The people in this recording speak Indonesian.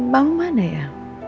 bangun mana ya